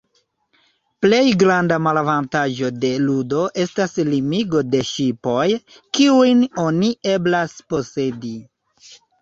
Plej granda malavantaĝo de ludo estas limigo de ŝipoj, kiujn oni eblas posedi.